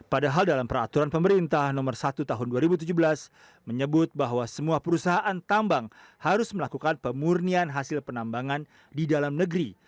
padahal dalam peraturan pemerintah nomor satu tahun dua ribu tujuh belas menyebut bahwa semua perusahaan tambang harus melakukan pemurnian hasil penambangan di dalam negeri